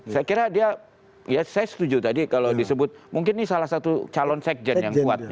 saya kira dia ya saya setuju tadi kalau disebut mungkin ini salah satu calon sekjen yang kuat